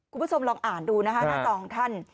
คุณผู้ชมลองอ่านดูนะคะหน้าจอของท่าน